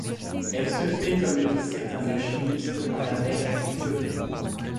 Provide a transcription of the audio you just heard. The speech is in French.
Elle se fait, comme le disent certains alchimistes, par la Verge du Feu.